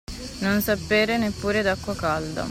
Non sapere neppure d'acqua calda.